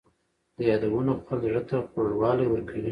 د یادونو خوند زړه ته خوږوالی ورکوي.